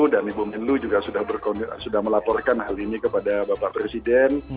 dan ibu menlu juga sudah melaporkan hal ini kepada bapak presiden